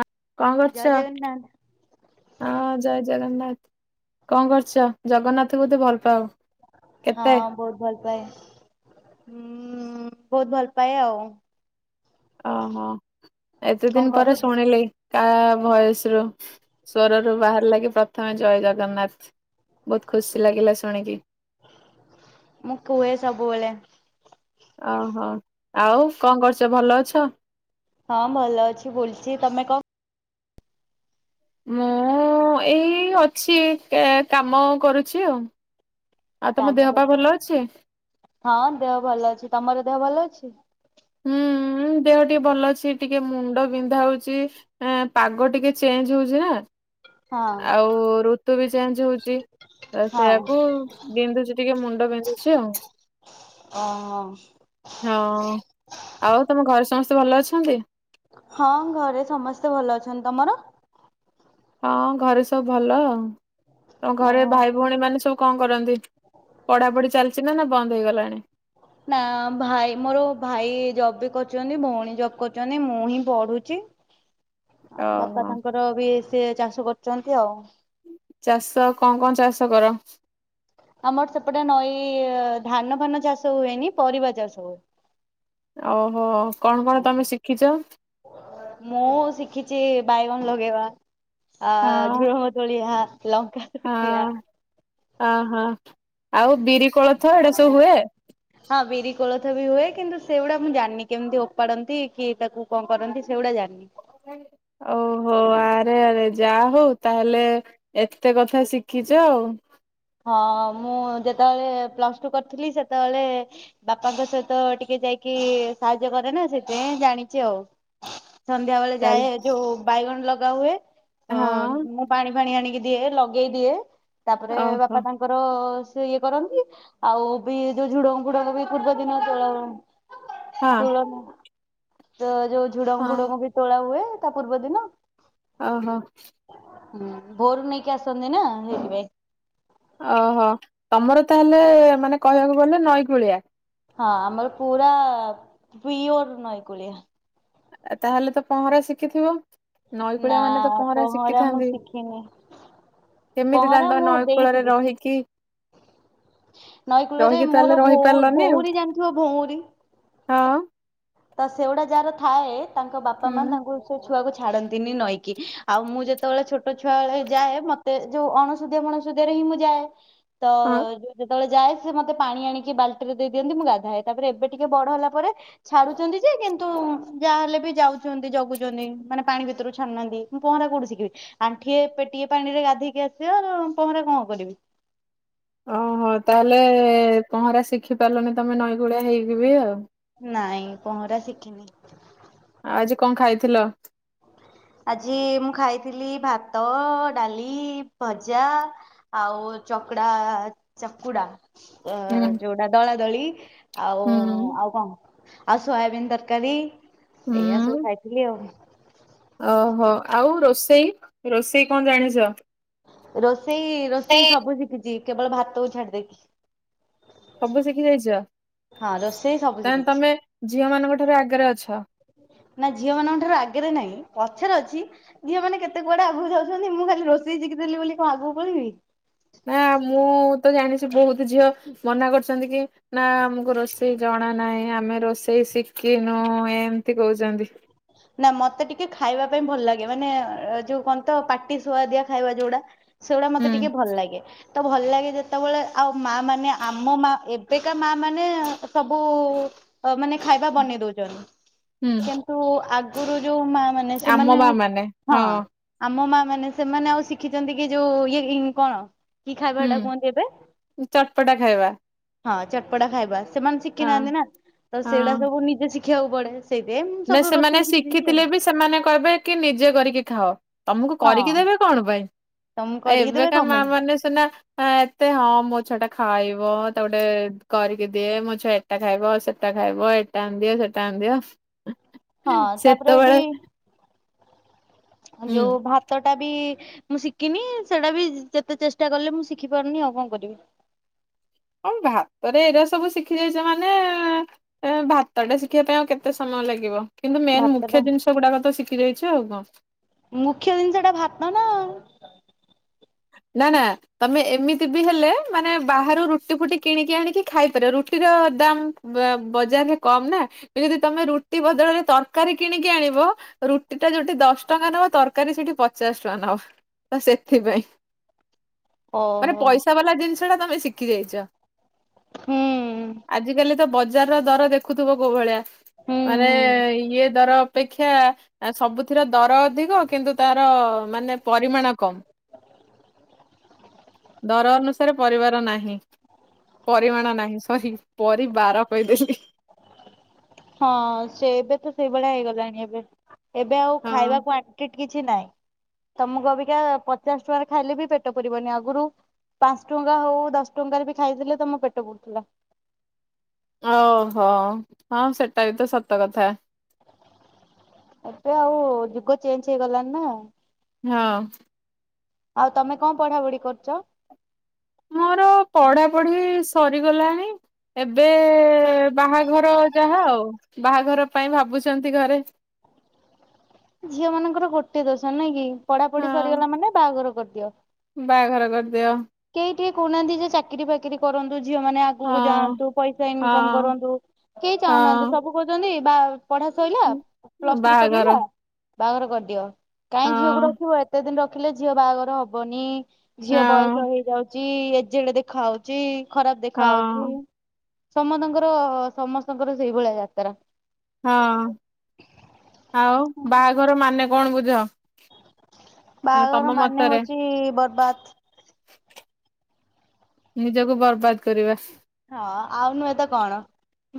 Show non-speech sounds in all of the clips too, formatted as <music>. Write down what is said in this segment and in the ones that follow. ହଁକଣ ଜୟ କରୁଚ? ଜଗନ୍ନାଥ ହଁ ଜୟ ଜଗନ୍ନାଥ କଣ କରୁଚ ଜଗନ୍ନାଥ ତୁ ଭଲ ପାଉ। ହଁ ବହୁତ ଭଲ ପାାଏ ହଁ ବହୁତ ଭଲ ପାାଏ ଆଉ। ଓହୋ ଏତେ କଣ ଦିନ କହ ପରେ ଶୁଣିଲେ। କାହା ଭୟସରୁୁ ସ୍ୱ ରରୁୁ ବାହାରି ଲା କିି ପ୍ରଥମେ ଜୟ ଜଗନ୍ନାଥ। ବହୁତ ଖୁସି ଲାଗିଲା ଶୁଣିକି। ମୁଁ କୁହେ ସବୁବେଳେ। ଆହୋ ଆଉ କଣ କରୁଚ ଭଲ ଅଛ? ହଁ ଭଲ ଅଛି ବୁଲଚି ତମେ କ ମୁଁ ଏଇ ଅଛି କାମ କରୁଚି ଆଉ। ଆଉ ତମ ଦେହ କାମ କର ପା ଭଲ ଅଛି? ହଁ ଦେହ ଭଲ ଅଛି, ତମର ଦେହ ଭଲ ଅଛି? ଉଁ। ଦେହ ଟିକେ ଭଲ ଅଛି ଟିକେ ମୁଣ୍ଡ ବିନ୍ଧା ହଉଚି ଇଁ ଏଁ ପାଗ ଟିକେ ଚେଞ୍ଜ ହଉଛି ନା। ହଁ ଆଉ ଋତୁ ବି ଚେଞ୍ଚ ହଉଛି। ଅ ହଁ ସେୟାକୁ ବିନ୍ଧୁଚି ଟିକେ ମୁଣ୍ଡ ବିନ୍ଧୁଚି ଆଉ। ଅ ହ। ହଁ ଆଉ ତମ ଘରେ ସମସ୍ତେ ଭଲ ଅଛନ୍ତି? ହଁ ଘରେ ସମସ୍ତେ ଭଲ ଅଛନ୍ତି, ତମର? ହଁ ଘରେ ସବୁ ଭଲ ତ ଘରେ ଓହୋ। ଭାଇ ଭଉଣୀ ମାନେ ସବୁ କଁ କରନ୍ତି? ପଢା ପଢି ଚାଲଚି ନା ବନ୍ଦ ହେଇଗଲାଣି? ନା ଭାଇ ମୋର ଭାଇ ଜବ୍ ବି କରୁଚନ୍ତି ଭଉଣୀ ଜବ୍ କରୁଚନ୍ତି ମୁଁ ହିଁ ପଢୁଛି। ଅ ଓହୋ ବାପା ତାଙ୍କର ବି ସେ ଚାଷ କରୁଚନ୍ତି ଆଉ। ଚାଷ କଁ କଁ ଚାଷ କର? ଆମର ସେପଟେ ନଈ ଧାନ ଫାନ ଚାଷ ହୁଏନି ପରିବା ଚାଷ ହୁଏ। ଓହୋ କଣ କଣ ତମେ ଶିଖିଛ? ମୁଁ ଶିଖିଛି ବାଇଗଣ ଲଗେଇବା। ଆ ହଁ ଝୁଡଙ୍ଗ ତୋଳିଆ ଲଙ୍କା ତୋଳିଆ ହଁ ଅହଁ ଆଉ ବିରି, କୋଳଥ, ଏଡ଼ା ସବୁ ହୁଏ? ହଁ ହଁ ବିରି କୋଳଥ ବି ହୁଏ କିନ୍ତୁ ସେଗୁଡା ମୁଁ ଜାଣିନି କେମିତି ଓପାଡ଼ନ୍ତି କି ତାକୁ କଣ କରନ୍ତି ସେଗୁଡା ଜାଣିନି। ଓହୋ ଆରେ ଆରେ ଯା ହଉ ତାହେଲେ ଏତେ କଥା ଶିଖିଛ ଆଉ। ହଁ ମୁଁ ଯେତେବେଳେ ପ୍ଲସ୍ ଟୁ କରିଥିଲି ସେତେବେଳେ ବାପାଙ୍କ ସହିତ ଟିକେ ଯାଇକି ସାହାଯ୍ୟ କରେ ନା ସେଥିପାଇଁ ଜାଣିଛି ଆଉ। ସନ୍ଧ୍ୟା ବେଳେ ତାହେଲେ ଯାଏ ଯୋଉ ବାଇଗଣ ଲଗା ହୁଏ ଅ, ହଁ ମୁ ପାଣି ଫାଣି ଆଣିକି ଦିଏ ଲଗେଇ ଦିଏ, ତାପରେ ବା ଓହୋ ଙ୍କର ସେ ଇଏ କରନ୍ତି, ଆଉ ବି ଯୋଉ ଝୁଡଙ୍ଗ ଫୁଡଙ୍ଗ ବି ପୂର୍ବ ଦିନ ତୋଳା ହଁ ତୁଳନା। ତ ଯୋଉ ଝୁଡଙ୍ଗ ଫୁଡଙ୍ଗ ବି ତୋଳା ହୁଏ ତା ପୂର୍ବ ଦିନ। ଅ ହ। ହୁଁ ଭୋରୁ ନେଇକି ଆସନ୍ତି ନା ସେଇଥିପାଇ। ଓହୋ ତମର ତାହେଲେ ମାନେ କହିବାକୁ ଗଲେ ନଈକୂଳିଆ? ହଁ ଆମର ପୁରା ପିଓର ନଈ କୂଳିଆ। ତାହେଲେ ତ ପହଁରା ଶିଖିଥିବ, ନଈ ନା କୂଳିଆ ମାନେ ତ ପହଁରା ମୁଁ ଶିଖିଥାନ୍ତି। ଶିଖିନି। କେମିତି ତାହେଲେ ପହଁରା ତମେ ମୋ ନଈ ଦେଇ କୂଳରେ ରହିକି ସିକିଚି। ନଈକୂଳରେ ରହିକି ତାହେଲେ ମୋର ଭଉ ରହିପାରିଲନି ଭଉରୀ ଜାଣିଥିବ ଭଉଁରୀ। ହଁ। ତ ସେଉଡା ଯାହାର ଥାଏ ତାଙ୍କ ବାପା ହଁ ମା ହୁଁ ତାଙ୍କୁ ଛୁଆକୁ ଛାଡନ୍ତିନି ନଈକି ଆଉ ମୁଁ ଯେତେବେଳେ ଛୋଟ ଛୁଆବେଳେ ଯାଏ ମତେ ଯୋଉ ଅଣ ସୁଧିଆ ଫଣ ଶୁଧିଆ ରେ ହିଁ ମୁଁ ଯାଏ, ତ ହଁ। ଯେତଳେ ଯାଏ ସେ ମତେ ପାଣି ଆଣିକି ବାଲ୍ଟି ରେ ଦେଇଦିଅନ୍ତି ମୁଁ ଗାଧାଏ, ତାପରେ ଏବେ ଟିକେ ବଡ ହେଲା ପରେ ଛାଡୁଛନ୍ତି ଯେ କିନ୍ତୁ ଯା ହେଲେ ବି ଯାଉଛନ୍ତି ଜଗୁଛନ୍ତି ମାନେ ପାଣି ଭିତରୁ ଛାଡୁନାହାନ୍ତି। ମୁଁ ପହଁରା କୋଉଠି ଶିଖିବି? ଆଣ୍ଠିଏ ପେଟିଏ ପାଣି ରେ ଗାଧେଇକି ଆସିବ ଆ ପହଁରା କଣ କରିବି? ଓହୋଃ ତାହେଲେ ପହଁରା ଶିଖି ପାରିଲନି ତମେ, ନଈକୂଳିଆ ହେଇକି ବି ଆଉ। ନାଇଁ ପହଁରା ଶିଖିନି। ଆଜି କଣ ଖାଇଥିଲ? ଆଜି ମୁଁ ଖାଇଥିଲି ଭାତ, ଡାଲି, ଭଜା ଆଉ ଚକଡ଼ା ଚକୁଡ଼ା। ଅ ହୁଁ ଯୋଉଟା ଦଳାଦଳି ଆଉ ହୁଁ ଆଉ କଣ ଆଉ ସୋୟାବିିନ ତରକାରୀ ଏଇଆ ସବୁ ଖାଇଥିଲି ଆଉ। ଓହୋଃ। ଆଉ ରୋଷେଇ ରୋଷେଇ କଣ ଜାଣିଛ? ରୋଷେଇ ରୋଷେଇ ସବୁ ଶିଖିଛି କେବଳ ଭାତକୁ ଛାଡ଼ି ଦେଇକି। ସବୁ ଶିଖି ଯାଇଛ ହଁ ରୋଷେଇ ସବୁ ତା ମାନେ ଶିଖିଛି। ତମେ ଝିଅ ମାନଙ୍କ ଠାରୁ ଆଗରେ ଅଛ। ନା ଝିଅ ମାନଙ୍କ ଠାରୁ ଆଗରେ ନାହିଁ ପଛରେ ଅଛି। ଝିଅ ମାନେ କେତେ କୁଆଡ଼େ ଆଗକୁ ଯାଉଛନ୍ତି ମୁଁ ଖାଲି ରୋଷେଇ ଶିଖିଦେଲି ବୋଲି କଣ ଆଗକୁ ପଳେଇବି? ନାଁ ମୁଁ ତ ଜାଣିଛି ବହୁତ ଝିଅ ମନା କରୁଛନ୍ତି କି ନା ଆମକୁ ରୋଷେଇ ଜଣା ନାହିଁ, ଆମେ ରୋଷେଇ ଶିଖିନୁ ଏମତି କହୁଛନ୍ତି। ନା ମତେ ଟିକେ ଖାଇବା ପାଇଁ ଭଲ ଲାଗେ। ମାନେ ଯୋଉ କଣ ତ ପାଟି ଶୁଆଦିଆ ଖାଇବା ଯୋଉ ଗୁଡ଼ା। ସେଇ ଗୁଡ଼ା ମତେ ହୁଁ ଟିକେ ଭଲ ଲାଗେ। ତ ଭଲ ଲାଗେ ଯେତେବେଳେ ଆଉ ମା ମାନେ ଆମ ମା ଏବେକା ମା ମାନେ ସବୁ ଅ ମାନେ ଖାଇବା ବନେଇ ଦଉଛନ୍ତି। ହୁଁ କିନ୍ତୁ ଆଗରୁ ଯୋଉ ମା ମାନେ ମାନେ ଆମ ସେମାନେ ମା ମାନେ ହଁ। ଆମ ମା ମାନେ ସେମାନେ ଆଉ ଶିଖିଛନ୍ତି କି ଯୋଉ ଇଏ କଣ କି ଖାଇବା ହେଟା ହୁଁ କୁହନ୍ତି ଏବେ? ଚଟପଟା ଖାଇବା ହଁ ଚଟପଟା ଖାଇବା। ସେମାନେ ଶିଖି ହଁ ନାହାନ୍ତି ନା ତ ସେଇଟା ହଁ ସବୁ ନିଜେ ଶିଖିବାକୁ ପଡ଼େ। ସେଥିପାଇଁ ମୁଁ ସବୁ ରୋ ନାଇଁ ଶିଖିଥିଲେ ବି ସେମାନେ କହିବେ କି ନିଜେ କରିକି ଖାଅ। ତମକୁ କରିକି ହଁ। ଦେବେ କଣ ପାଇଁ? ତମକୁ ଆଉ କରିକି ଦେବେ ଏବେକା କଣ ମା ପାଇଁ? ମାନେ ସିନା ହ ଏତେ ହଁ ମୋ ଛୁଆ ଟା ଖାଇବ, ତାକୁ ଟିକେ କରିକି ଦିଏ ମୋ ଛୁଆ ଏଟା ଖାଇବ, ସେଟା ଖାଇବ, ଏଟା ଆଣିଦିଅ ସେଟା ଆଣିଦିଅ। ହଁ ତାପରେ ବି ସେତେବେଳେ ହୁଁ ଯୋଉ ଭାତ ଟା ବି ମୁଁ ଶିଖିନି ସେଇଟା ବି ଯେତେ ଚେଷ୍ଟା କଲେ ମୁଁ ଶିଖିପାରୁନି ଆଉ କଣ କରିବି। ହଁ ଭାତରେ ଏଇଟା ସବୁ ଶିଖି ଯାଇଛ ମାନେ ଏଁ ଭାତଟା ଶିଖିବା ପାଇଁ ଆଉ କେତେ ସମୟ ଲାଗିବ। କିନ୍ତୁ ମେନ ଭାତ ଟା ମୁଖ୍ୟ ଜିନିଷ ଗୁଡ଼ାକ ତ ଶିଖି ଯାଇଛି ଆଉ କଣ। ମୁଖ୍ୟ ଜିନିଷ ଟା ଭାତ ନା। ନା ନା। ତମେ ଏମିତି ବି ହେଲେ ମାନେ ବାହାରୁ ରୁଟି-ଫୁଟି କିଣିକି ଆଣିକି ଖାଇପାରିବ। ରୁଟିର ଦାମ ବଜାରରେ କମ୍ ନା। ଯଦି ତମେ ରୁଟି ବଦଳରେ ତରକାରୀ କିଣିକି ଆଣିବ ରୁଟି ଟା ଯୋଉଠି ଦଶ ଟଙ୍କା ନବ ତରକାରୀ ସେଠି ପଚାଶ ଟଙ୍କା ନବା ତ ସେଥିପାଇଁ। ମାନେ ଓହୋ ପଇସା ବାଲା ଜିନିଷ ଟା ତମେ ଶିଖି ଯାଇଛ। ହୁଁ ଆଜିକାଲି ତ ବ ବଜାର ର ଦର ଦେଖୁଥିବ କୋଉ ଭଳିଆ, ହୁଁ ମାନେ ହୁଁ ଇଏ ଦର ଅପେକ୍ଷା କ୍ଷା ସବୁଥିରେ ଦର ଅଧିକ କିନ୍ତୁ ତାର ମାନେ ପରିମାଣ କମ୍। ଦର ଅନୁସାରେ ପରିବାର ନାହିଁ। ପରିମାଣ ନାହିଁ ସରି ପରିବାର କହିଦେଲି। ହଁ, ସେ ଏବେ ତ ସେଇଭଳିଆ ହେଇଗଲାଣି ଏବେ। ଏବେ ଆଉ ହଁ ଖାଇବା କ୍ଵାଣ୍ଟିଟି କିଛି ନାଇଁ ତମକୁ ଅବିକା ପଚାଶ ଟଙ୍କାରେ ଖାଇଲେ ବି ପେଟ ପୁରିବନି। ଆଗରୁ ପାଞ୍ଚ ଟଙ୍କା ହଉ ଦଶ ଟଙ୍କାରେ ବି ଖାଇଲେ ତମ ପେଟ ପୁରୁଥିଲା। ଓହୋ ହଁ ସେଟା ବି ତ ସତ କଥା। ଏବେ ଆଉ ଯୁଗ ଚେଞ୍ଜ ହେଇଗଲାଣି ନା। ହଁ। ଆଉ ତମେ କଣ ପଢା ପଢି କରୁଛ? ମୋର ପଢାପଢି ସରିଗଲାଣି। ଏବେ ବାହାଘର ଯାହା ଆଉ ବାହାଘର ପାଇଁ ଭାବୁଛନ୍ତି ଘରେ। ଝିଅ ମାନଙ୍କର ଗୋଟେ ଦୋଷ ନାଇଁ କି ପଢା ପଢି ହଁ ସରିଗଲା ମାନେ ବାହାଘର କରିଦିଅ। ବାହାଘର କରିଦିଅ। କେହି ଟିକେ କହୁନାହାନ୍ତି ଯେ ଚାକିରି ଫାକିରି କରନ୍ତୁ ଝିଅ ମାନେ ଆ ଆଗକୁ ହଁ ଯାଆନ୍ତୁ ପଇସା ଇନକମ ହଁ କରନ୍ତୁ କେହି ଚାହୁଁନାହାନ୍ତି ହଁ ସବୁ କହୁଛନ୍ତି ବା ପଢା ସଇଲା ପ୍ଲସ୍ ଥ୍ରୀ ବାହାଘର ସରିଗଲା ବାହାଘର କରିଦିଅ। ହଁ କାହିଁ ଝିଅକୁ ରଖିବ ଏତେ ଦିନ ରଖିଲେ ଝିଅ ବାହାଘର ହବନି ଝିଅ ହଁ ବୟସ ହେଇଯାଉଛି ଚି ଏଜେଡେ ଦେଖା ହଉଛି ଖରାପ ଦେଖା ଯାଉଛି। ହଁ ସମସ୍ତଙ୍କର ସମସ୍ତଙ୍କର ସେଇ ଭଳିଆ ଯାତ୍ରା। ହଁ ଆଉ ବାହାଘର ମାନେ କଣ ବୁଝ? ମାନେ ବାହାଘର ତମ ମାନେ ମତରେ ହଉଛି ବରବାଦ। ନିଜକୁ ବର୍ବାଦ କରିବା। ହଁ ଆଉ ନୁହେଁ ତ କଣ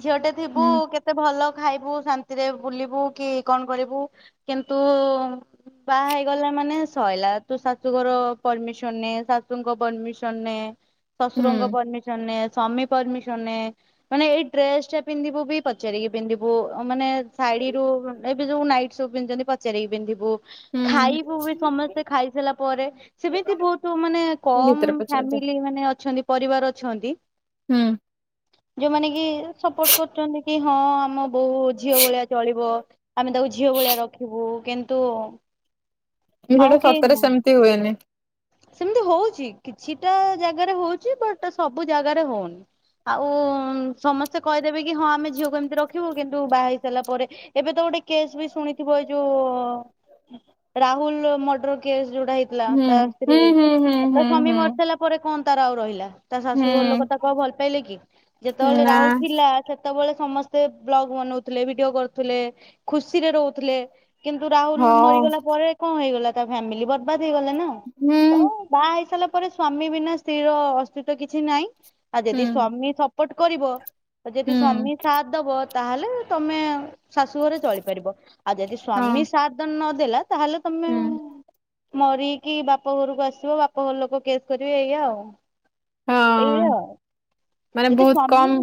ଝିଅଟେ ଥିବୁ ହୁଁ କେତ ଭଲ ଖାଇବୁ ଶାନ୍ତିରେ ବୁଲିବୁ କି କଣ କରିବୁ କିନ୍ତୁ ବାହା ହେଇଗଲା ମାନେ ସରିଲା ତୁ ଶାଶୁଘର ପରମିସନ ନେ ଶାଶୁଙ୍କ ପରମିସନ ନେ ହୁଁ ଶଶୁରଙ୍କ ପରମିସନ ନେ ସମୀ ପରମିସନ ନେ। ମାନେ ଏଇ ଡ୍ରେସ ଟା ପିନ୍ଧିବୁ ବି ପଚାରିକି ପିନ୍ଧିବୁ ମାନେ ଶାଢୀରୁ ଏବେ ଯୋଉ ନାଇଟ ସବୁ ପିନ୍ଧିଛନ୍ତି ପଚାରିକି ପିନ୍ଧିବୁ ହୁଁ ଖାଇବୁ ବି ସମସ୍ତେ ଖାଇସାରିଲା ପରେ। ସେମିତି ବହୁତ ମାନେ କମ ଭିତରେ ପଚାରିଦିଅ ଫାମିଲି ମାନେ ଅଛନ୍ତି ପରିବାର ଅଛନ୍ତି। ହୁଁ। ଯୋଉମାନେ କି ସପୋର୍ଟ କରୁଛନ୍ତି କି ହଁ ଆମ ବୋହୂ ଝିଅ ଭଳିଆ ଚଳିବ। ଆମେ ତାକୁ ଝିଅ ଭଳିଆ ରଖିବୁ କିନ୍ତୁ କି ଆଉ ସେଟା କେହି ସତରେ ନୁହଁ। ସେମିତି ହୁଏନି। ସେମିତି ହଉଛି କିଛିଟା ଜାଗାରେ ହଉଛି ବଟ୍ ସବୁ ଜାଗାରେ ହଉନି। ଆଉ ସମସ୍ତେ କହିଦେବେ କି ହଁ ଆମେ ଝିଅକୁ ଏମିତି ରଖିବୁ କିନ୍ତୁ ବାହା ହେଇ ସାରିଲା ପରେ ଏବେ ତ ଗଟେ କେସ୍ ବି ଶୁଣିଥିବ ଏ ଯୋଉ ରାହୁଲ ମର୍ଡର କେସ୍ ଯୋଉଟା ହେଇଥିଲା ହୁଁ ତା ସ୍ତ୍ରୀ ହୁଁ ହୁଁ ହୁଁ ତା ହୁଁ ସ୍ଵାମୀ ହୁଁ ମରିଯାଇ ନ ମରିଲା ପରେ କଣ ତାର ଆଉ ରହିଲା? ତା ଶାଶୁ ଘର ଲୋକ ତାକୁ ଆଉ ଭଲ ପାଇଲେ କି ହୁଁ ଯେତେବେଳେ ନା ରାହୁଲ ଥିଲା ସେତ ସେତେବେଳେ ସମସ୍ତେ ପ୍ଲଗ୍ ବନାଉଥିଲେ ଭିଡିଓ କରୁଥିଲେ ଖୁସିରେ ରହୁଥିଲେ। କିନ୍ତୁ ରାହୁଲ୍ ହଉ ମରିଗଲା ପରେ କଣ ହେଇଗଲା ତା ଫ୍ୟାମିଲି ବର୍ବାଦ ହେଇଗଲା ନା। ହୁଁ ତ ବାହା ହେଇସାରିଲା ପରେ ସ୍ଵାମୀ ବିନା ସ୍ତ୍ରୀ ର ଅସ୍ତିତ୍ଵ କିଛି ନାହିଁ ଆଉ ହୁଁ ଯଦି ସ୍ଵାମୀ ସବୁ ବଟ କରିବ ଯଦି ହୁଁ ସ୍ୱାମୀ ସାଥ ଦବ ତାହେଲେ ତମେ ଶାଶୁ ଘରେ ଚଳିପାରିବ ଆଉ ଯଦି ହଁ ସ୍ଵାମୀ ସାଥ ନଦେଲା ତାହେଲେ ତମେ ହୁଁ ମରିକି ବାପ ଘରକୁ ଆସିବ ବାପ ଘର ଲୋକ କେସ୍ କରିବେ ଏଇଆ ଆଉ। ହଁ ଏଇଆ ମାନେ ଯଦି ବହୁତ ସ୍ଵାମୀ କମ୍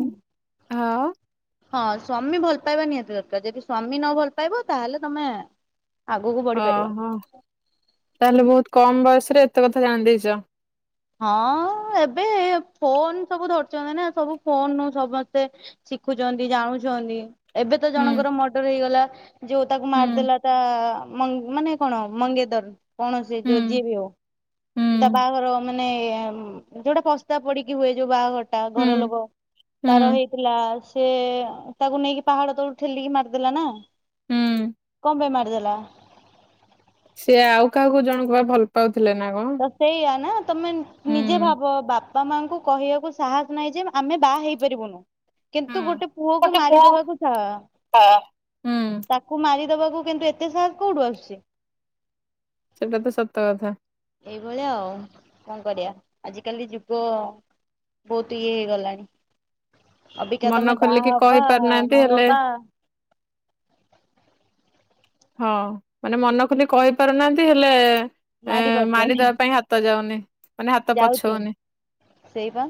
ହଁ ହଁ ସ୍ଵାମୀ ଭଲ ପାଇବା ନିହାତି ଦରକାରଯଦି ସ୍ଵାମୀ ନ ଭଲ ପାଇବ ତାହେଲେ ତମେ ଆଗକୁ ବଢି ପାରିବନି ଅହୋ ତାହେଲେ ବହୁତ କମ୍‌ ବୟସରେ ଏତେ କଥା ଜାଣିଦେଇଛ। ହଁ ଏବେ ଫୋନ୍‌ ସବୁ ଧରିଛନ୍ତି ନା ସବୁ ଫୋନ୍‌ ରୁ ସମସ୍ତେ ଶିଖୁଛନ୍ତି ଜାଣୁଛନ୍ତି। ଏବେ ତ ହୁଁ ଜଣଙ୍କର ମର୍ଡର ହେଇଗଲା ଯୋଉ ତାକୁ ହୁଁ ମାରିଦେଲା ତା ମାନ ମାନେ କଣ ମଙ୍ଗେତର୍ କଣ ସେ ହୁଁ ଯୋଉ ଯିଏ ବି ହଉ ହୁଁ ତା ବାହାଘର ମାନେ ଯୋଉଟା ପସ୍ତାବ ପଡ଼ିକି ହୁଏ ଯୋଉ ବାହାଘର ତା ଘର ହୁଁ ଲୋକ ତାର ହୁଁ ହେଇଥିଲା। ସେ ତାକୁ ନେଇକି ପାହାଡ଼ ତଳକୁ ଠେଲିକି ମାରିଦେଲା ନା ହୁଁ କଣ ପାଇଁ ମାରିଦେଲା? ସେ ଆଉ କାହାକୁ ଜଣକୁ ବା ଭଲ ପାଉଥିଲା ନା କଣ ତ ସେଇଆ ନା ତମେ ହୁଁ ନିଜେ ଭାବ ବାପ ବାପା ମାଆଙ୍କୁ କହିବାକୁ ସାହସ ନାହିଁ ଯେ ଆମେ ବାହା ହେଇପାରିବୁନୁ କିନ୍ତୁ ହୁଁ ଗୋଟେ ପୁଅକୁ ଗୋଟେ ପୁଅ ମାରିଦବାକୁ ସାହା ହୁଁ ତାକୁ ମାରିଦବାକୁ କିନ୍ତୁ ଏତେ ସାହାସ କୋଉଁଠୁ ଆସୁଛି। ସେଇଟା ତ ସତ କଥା ଏଇଭଳିଆ ଆଉ କଣ କରିବା ଆଜିକାଲି ଯୁଗ ବହୁତ ଇଏ ହେଇଗଲାଣି ଅବିକା ମନ ତମେ ବାହା ଖୋଲିକି ହବା କହି ପାରୁନାହାନ୍ତି ହେଲେ ନହବା ହଁ ମାନେ ମନ ଖୋଲି କହି ପାରୁନାହାନ୍ତି ହେଲେ ଏ ମାରି ପାରୁଚନି। ମାରିଦବା ପାଇଁ ହାତ ଯାଉନି ମାନେ ହାତ ଯାଉଛି ପଛଉନି ସେଇ ବା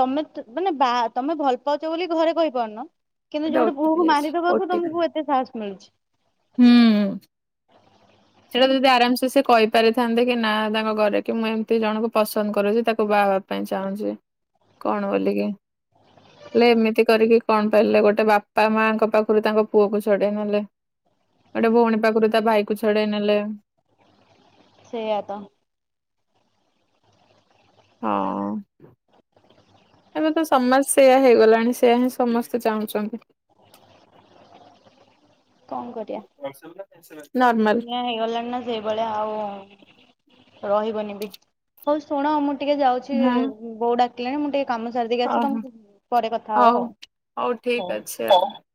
ତମେ ମାନେ ବା ତମେ ଭଲ ପାଉଛ ବୋଲି ଘରେ କହିପାରୁନ କିନ୍ତୁ ଗୋଟେ ଯୋଉଠି ଓଟିପି ପୁଅକୁ ଯାଇଛି। ମାରି ଦେବାକୁ ଓଟିପି ତମକୁ ଏତେ ସାହସ ମିଳୁଛି। ହୁଁ ସେଇଟା ଯଦି ଆରାମ୍‌ସେ ସେ କହିପାରିଥାନ୍ତେ କି ନା ତାଙ୍କ ଘରେ କି ମୁଁ ଏମିତି ଜଣଙ୍କୁ ପସନ୍ଦ କରୁଛି ତାକୁ ବାହାହେବାକୁ ପାଇଁ ଚାହୁଁଛି କଣ ବୋଲିକି ହେଲେ ଏମିତି କରିକି କଣ ପାଇଲେ ଗୋଟେ ବାପା ମାଙ୍କ ପାଖରୁ ତାଙ୍କ ପୁଅ ଛଡ଼େଇ ନେଲେ ଗୋଟେ ଭଉଣୀ ପାଖରୁ ତା ଭାଇ କୁ ଛଡ଼େଇ ନେଲେ। ସେଇଆ ତ ହଁ <unintelligible> ଏବେ ତ ସମାଜ ସେଇୟା ହେଇଗଲାଣି ସେୟା ହିଁ ସମସ୍ତେ ଚାହୁଁଛନ୍ତି। କଣ କରିବାଆ ନର୍ମାଲ ଦୁନିଆ ହେଇଗଲାଣି ନା ସେଇଭଳିଆ ଆଉ ରହିବନି ବି ହଉତ ଶୁଣ ମୁଁ ଟିକେ ଯାଉଛି ହଁ ବୋଉ ଡାକିଲେଣି ମୁଁ ଟିକେ କାମ ସାରିଦେଇକି ଆସେ ଓହୋ। ତମକୁ ପରେ କଥା ହଉ ହେବ ଆଉ ହଉ <inaudible>